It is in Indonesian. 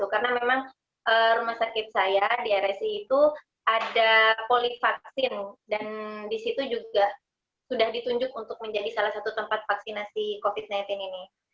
karena memang rumah sakit saya di rsi itu ada polivaksin dan disitu juga sudah ditunjuk untuk menjadi salah satu tempat vaksinasi covid sembilan belas ini